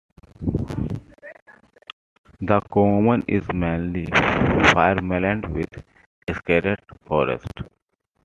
The commune is mainly farmland with scattered forests.